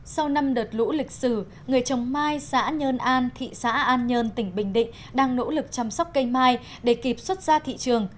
sau năm đợt lũ lịch sử người trồng mai xã nhơn an thị xã an nhơn tỉnh bình định đang nỗ lực chăm sóc cây mai để kịp xuất ra thị trường